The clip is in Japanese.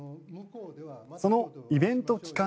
そのイベント期間